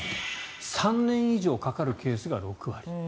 ３年以上かかるケースが６割。